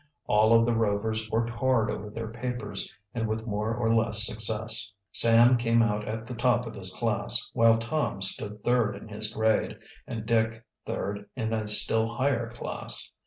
All of the Rovers worked hard over their papers, and with more or less success. Sam came out at the top of his class, while Tom stood third in his grade, and Dick third in a still higher class.